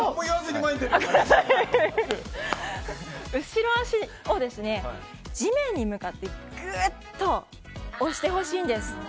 後ろ脚を地面に向かってグッと押してほしいんです。